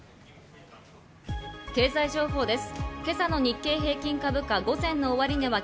経済情報です。